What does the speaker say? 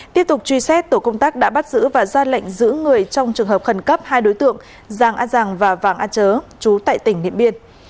tiếp tục truy xét tổ công tác đã bắt giữ và ra lệnh giữ người trong trường hợp khẩn cấp hai đối tượng giang á giang và vàng á chớ chú tệ tỉnh niệm biên